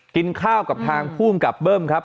กินข้าวกับทางภูมิกับเบิ้มครับ